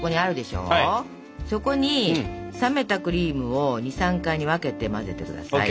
そこに冷めたクリームを２３回に分けて混ぜて下さい。